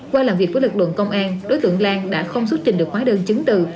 qua làm việc với lực lượng công an đối tượng lan đã không xuất trình được khóa đơn chứng từ